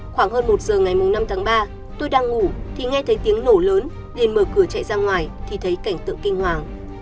khoảng hơn một giờ ngày năm tháng ba tôi đang ngủ thì nghe thấy tiếng nổ lớn nên mở cửa chạy ra ngoài thì thấy cảnh tượng kinh hoàng